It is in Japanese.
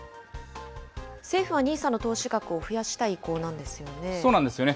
政府はＮＩＳＡの投資額を増やしたい意向なんですよね？